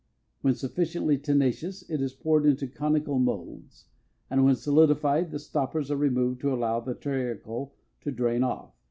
When sufficiently tenacious it is poured into conical molds, and when solidified the stoppers are removed to allow the treacle to drain off.